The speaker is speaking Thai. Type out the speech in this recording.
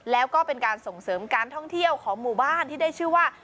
แล้วก็เป็นการส่งเสริมการท่องเที่ยวของหมู่บ้านที่ได้ชื่อว่า